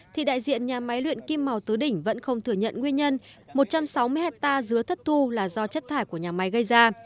thì đại diện nhà máy luyện kim màu tứ đỉnh vẫn không thừa nhận nguyên nhân một trăm sáu mươi hectare dứa thất thu là do chất thải của nhà máy gây ra